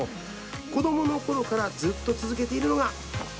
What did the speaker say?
子供のころからずっと続けているのが。